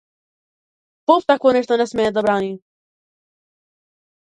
Поп такво нешто не смее да брани!